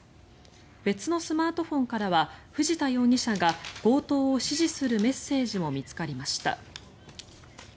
別のスマートフォンからは藤田容疑者が強盗を指示するメッセージも見つかりました。